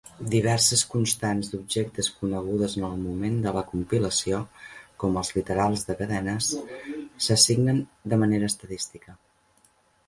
Diverses constants d'objectes conegudes en el moment de la compilació, com els literals de cadenes, s'assignen de manera estadística.